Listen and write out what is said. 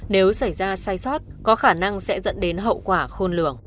nếu xảy ra sai sót có khả năng sẽ dẫn đến hậu quả khôn lường